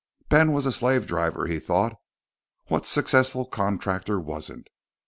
Ben was a slave driver, he thought. What successful contractor wasn't?